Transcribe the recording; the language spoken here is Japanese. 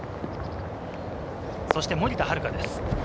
そして森田遥です。